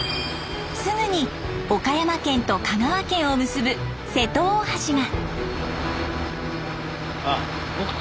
すぐに岡山県と香川県を結ぶ瀬戸大橋が。